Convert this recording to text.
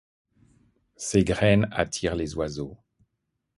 Ces graines attirent les oiseaux.